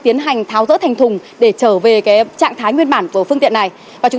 tiến hành tháo rỡ thành thùng để trở về trạng thái nguyên bản của phương tiện này và chúng